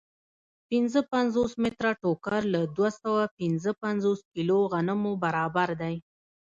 پنځه پنځوس متره ټوکر له دوه سوه پنځه پنځوس کیلو غنمو برابر دی